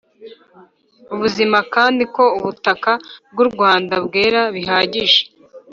ubuzima, kandi ko ubutaka bw'u rwanda bwera bihagije.